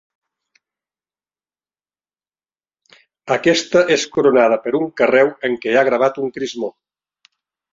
Aquesta és coronada per un carreu en què hi ha gravat un crismó.